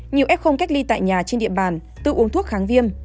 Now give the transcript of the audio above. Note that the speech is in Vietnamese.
nhiều f cách ly tại nhà trên địa bàn tự uống thuốc kháng viêm